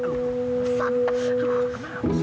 rusak kenapa rusak